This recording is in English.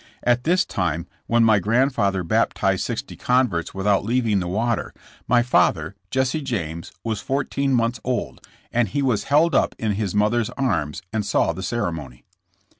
At this time when my grandfather baptized sixty converts without leaving the water, my father, Jesse James, was four teen months old, and he was held up in his mother's arms and saw the ceremony.